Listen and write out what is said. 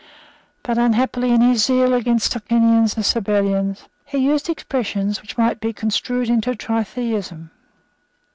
But, unhappily, in his zeal against Socinians and Sabellians, he used expressions which might be construed into Tritheism.